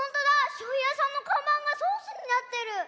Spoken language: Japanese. しょうゆやさんのかんばんがソースになってる。